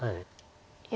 いや。